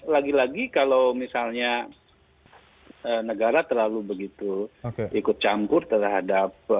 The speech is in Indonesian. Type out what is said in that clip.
lagi lagi kalau misalnya negara terlalu begitu ikut campur terhadap